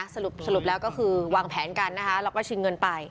สรุปแล้วก็คือวางแผนกันนะคะแล้วก็ชิงเงินไป